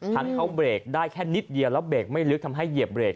ทำให้เขาเบรกได้แค่นิดเดียวแล้วเบรกไม่ลึกทำให้เหยียบเรก